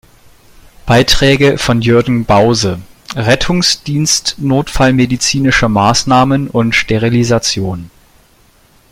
Beiträge von Jürgen Bause: Rettungsdienst-notfallmedizinische Maßnahmen und Sterilisation.